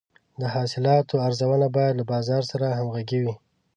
د حاصلاتو ارزونه باید له بازار سره همغږې وي.